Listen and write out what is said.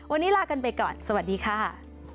วันนี้ลากันไปก่อนสวัสดีค่ะ